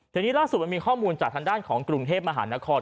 ทีนี้ล่าสุดมันมีข้อมูลจากทางด้านของกรุงเทพมหานคร